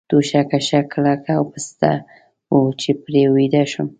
توشکه ښه کلکه او پسته وه، چې پرې ویده شم.